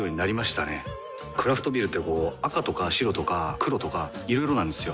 クラフトビールってこう赤とか白とか黒とかいろいろなんですよ。